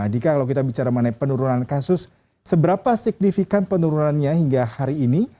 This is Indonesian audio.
dika kalau kita bicara mengenai penurunan kasus seberapa signifikan penurunannya hingga hari ini